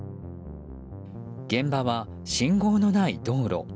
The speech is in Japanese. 現場は、信号のない道路。